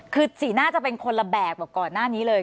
คือสีหน้าจะเป็นคนละแบบกว่าก่อนหน้านี้เลย